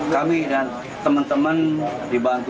kami dan teman teman dibantu